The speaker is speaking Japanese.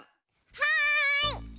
はい！